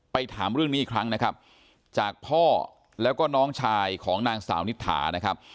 ถามเรื่องนี้อีกครั้งนะครับจากพ่อแล้วก็น้องชายของนางสาวนิษฐานะครับ